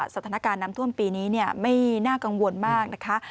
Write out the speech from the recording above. สถานการณ์น้ำท่วมปีนี้ไม่น่ากังวลมากนะคะ